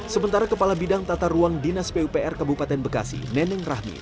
sementara kepala bidang tata ruang dinas pupr kabupaten bekasi neneng rahmi